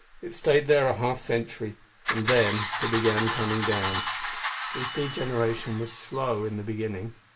It stayed there a half century; and then it began coming down. Its degeneration was slow, in the beginning.